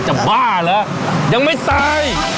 บ้าเหรอยังไม่ตาย